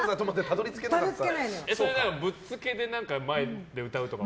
ぶっつけで前で歌うとかも？